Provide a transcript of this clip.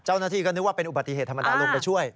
เจ้าหน้าที่ก็นึกว่าเป็นอุบัติเหตุธรรมดาลงไปช่วย